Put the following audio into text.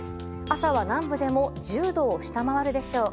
朝は南部でも１０度を下回るでしょう。